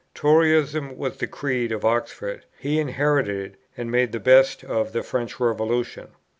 Toryism was the creed of Oxford; he inherited, and made the best of, the French Revolution.